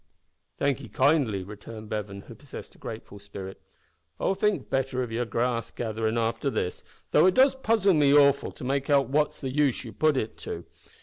"Thank 'ee kindly," returned Bevan, who possessed a grateful spirit; "I'll think better of yer grass gatherin' after this, though it does puzzle me awful to make out what's the use ye put it to.